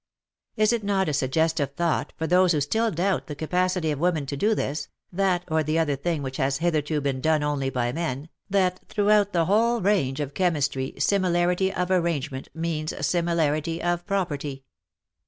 Is it not a suggestive thought for those who still doubt the capacity of women to do this, that, or the other thing which has hitherto been done only by men, that throughout the whole range of chemistry similarity of arrangement means similarity of property.